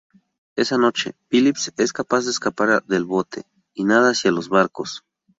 Esa noche, Phillips es capaz de escapar del bote y nada hacia los barcos.